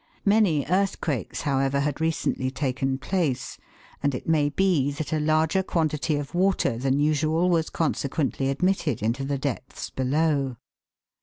Many earthquakes, how ever, had recently taken place, and it may be that a larger quantity of water than usual was consequently admitted into the depths below.